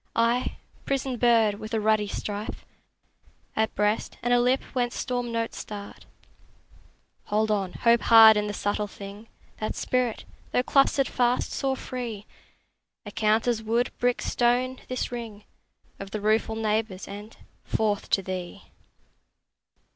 I prison bird, with a ruddy strife At breast, and a lip whence storm notes start 20 Hold on, hope hard in the subtle thing That's spirit: tho' cloistered fast, soar free; Account as wood, brick, stone, this ring Of the rueful neighbours, and forth to thee!